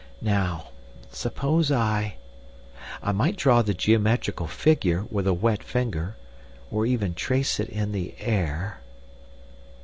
Now, suppose I ... I might draw the geometrical figure with a wet finger, or even trace it in the air...."